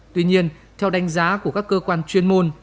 tuy nhiên theo đánh giá của các cơ quan chuyên môn